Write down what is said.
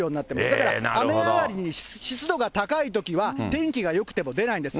だから雨上がりに湿度が高いときは、天気がよくても出ないんです。